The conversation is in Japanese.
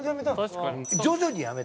徐々にやめたの？